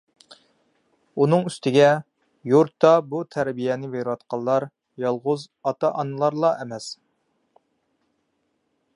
ئۇنىڭ ئۈستىگە، يۇرتتا بۇ تەربىيەنى بېرىۋاتقانلار يالغۇز ئاتا-ئانىلارلا ئەمەس.